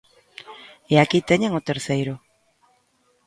E aquí teñen o terceiro.